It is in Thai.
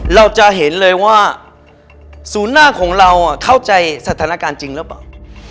เราจะเห็นเลยว่าศูนย์หน้าของเราเข้าใจสถานการณ์จริงหรือเปล่า